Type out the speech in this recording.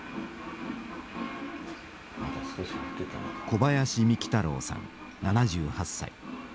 小林三樹太郎さん７８歳。